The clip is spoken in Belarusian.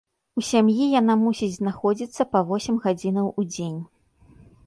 У сям'і яна мусіць знаходзіцца па восем гадзінаў у дзень.